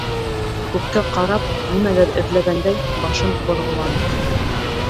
Күккә ҡарап, нимәлер эҙләгәндәй, башын борғоланы.